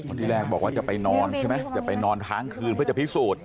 ที่แรกบอกว่าจะไปนอนใช่ไหมจะไปนอนค้างคืนเพื่อจะพิสูจน์